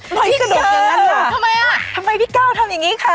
พี่กะโดดอย่างนั้นล่ะทำไมอะพี่กาวทำอย่างนี้คะ